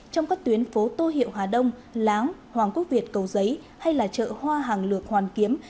trong các tuyến phố tô hiệu hà đông láng hoàng quốc việt cầu giấy hay là chợ hoa hàng lược hoàn kiếm